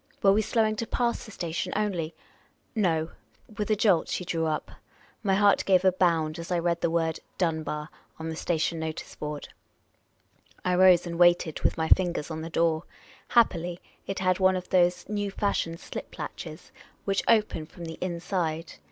Were we slowing to pass the station only ? No ; with a jolt she drew up. My heart gave a bound as I read the word " Dunbar " on the station notice board. I rose and waited, with my fingers on the door. Happily it had one of those new fa.shioned .slip latches which open from the inside.